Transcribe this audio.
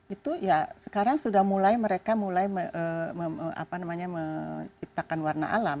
itu ya sekarang sudah mulai mereka mulai menciptakan warna alam